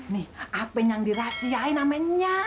nih apa yang dirahasiain namanya